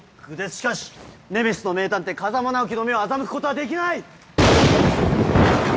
しかしネメシスの名探偵風真尚希の目を欺くことはできない！